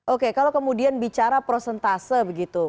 oke kalau kemudian bicara prosentase begitu